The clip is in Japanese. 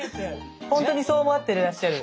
ほんとにそう思ってらっしゃる？